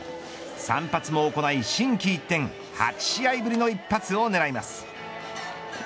散髪も行い、心機一転８試合ぶりの一発を狙います。